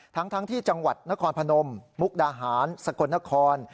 ทั้งที่จังหวัดนครพนมมุกดาหารสกลนคร